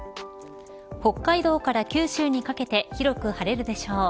北海道から九州にかけて広く晴れるでしょう。